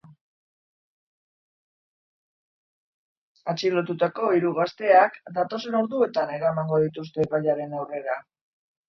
Atxilotutako hiru gazteak datozen orduetan eramango dituzte epailearen aurrera.